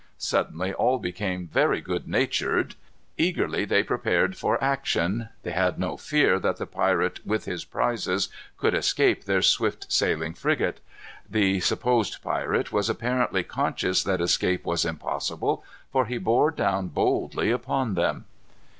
Suddenly all became very good natured. Eagerly they prepared for action. They had no fear that the pirate, with his prizes, could escape their swift sailing frigate. The supposed pirate was apparently conscious that escape was impossible; for he bore down boldly upon them.